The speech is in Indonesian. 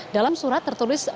dalam surat tertulis